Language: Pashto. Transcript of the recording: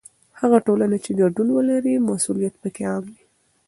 هغه ټولنه چې ګډون ولري، مسؤلیت پکې عام وي.